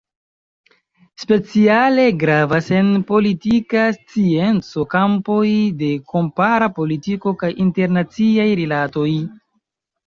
Speciale gravas en politika scienco kampoj de kompara politiko kaj internaciaj rilatoj.